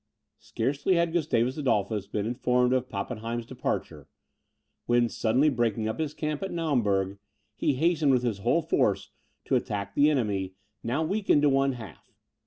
Scarcely had Gustavus Adolphus been informed of Pappenheim's departure, when suddenly breaking up his camp at Naumburg, he hastened with his whole force to attack the enemy, now weakened to one half.